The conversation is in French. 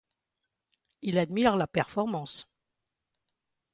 Il admire la performance.